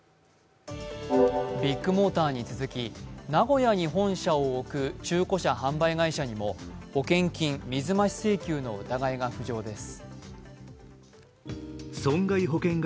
ビッグモーターに続き名古屋に本社を置く中古車販売会社にも保険金水増し請求の疑いが浮上です。